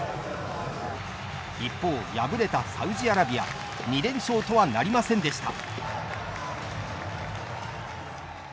一方、敗れたサウジアラビア２連勝とはなりませんでした。